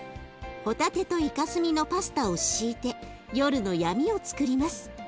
ホタテとイカスミのパスタを敷いて夜の闇をつくります。